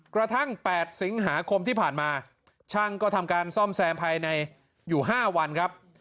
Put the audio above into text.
กระทั่ง๘สิงหาคมที่ผ่านมาช่างก็ทำการซ่อมแซมภายในอยู่๕วันครับ